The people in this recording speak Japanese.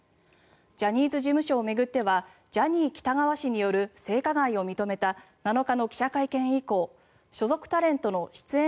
ジャニーズ事務所を巡ってはジャニー喜多川氏による性加害を認めた７日の記者会見以降所属タレントの出演